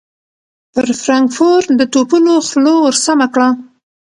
پر فرانکفورټ د توپونو خوله ور سمهکړه.